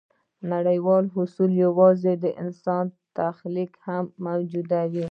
نړیوال اصول یواځې د انسان تخیل کې موجود دي.